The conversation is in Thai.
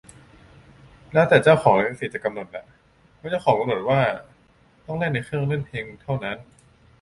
แล้วแต่เจ้าของลิขสิทธิ์จะกำหนดน่ะ - บางเจ้ากำหนดว่าต้องเล่นในเครื่องเล่นเพลงเท่านั้น